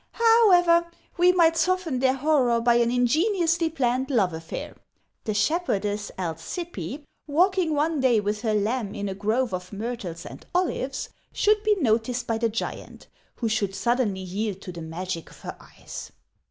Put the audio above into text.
However, we might soften their horror by an ingeniously planned love affair. The shepherdess Alcyppe, walking one day with her lamb in a grove of myrtles and olives, should be noticed by the giant, who should suddenly yield to the magic of her eyes.